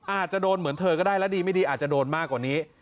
อาจจะโดนเหมือนเธอก็ได้และดีไม่ดีอาจจะโดนมากกว่านี้